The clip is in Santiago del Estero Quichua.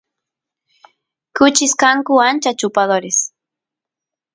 kuchis kanku ancha chupadores